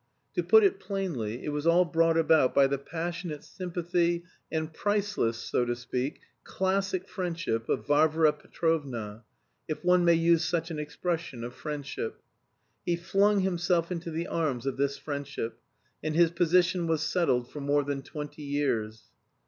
To put it plainly it was all brought about by the passionate sympathy and priceless, so to speak, classic friendship of Varvara Petrovna, if one may use such an expression of friendship. He flung himself into the arms of this friendship, and his position was settled for more than twenty years.